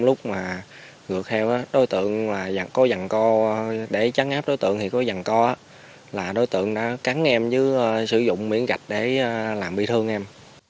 lúc mà gược theo đối tượng có dằn co để chắn áp đối tượng thì có dằn co là đối tượng đã cắn em chứ sử dụng miễn gạch để làm bị thương em